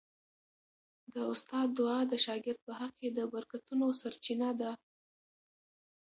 د استاد دعا د شاګرد په حق کي د برکتونو سرچینه ده.